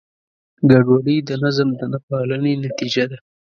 ګډوډي د نظم د نهپالنې نتیجه ده.